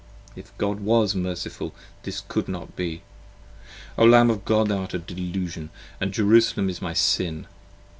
If God was Merciful this could not be: O Lamb of God, Thou art a delusion and Jerusalem is my Sin!